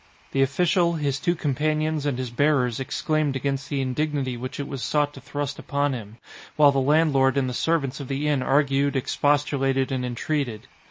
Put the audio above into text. The official, his two companions, and his bearers exclaimed against the indignity which it was sought to thrust upon him, while the landlord and the servants of the inn argued, expostulated, and entreated.